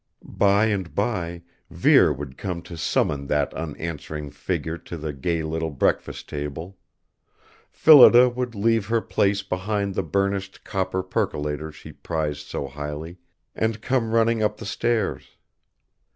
By and by Vere would come to summon that unanswering figure to the gay little breakfast table. Phillida would leave her place behind the burnished copper percolator she prized so highly and come running up the stairs.